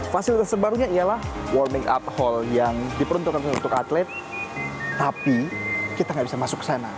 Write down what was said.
fasilitas terbarunya ialah warming up hall yang diperuntukkan untuk atlet tapi kita nggak bisa masuk ke sana